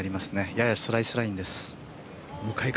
ややスライスラインです。